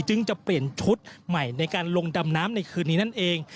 จึงจะเปลี่ยนชุดใหม่ในการลงดำน้ำในคืนนี้นั่นเอง